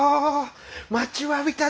待ちわびたで！